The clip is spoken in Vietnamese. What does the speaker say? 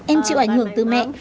em chịu ảnh hưởng từ mẹ